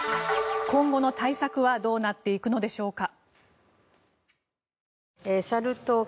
今後の対策はどうなっていくのでしょうか。